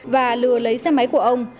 và lừa lấy xe máy của ông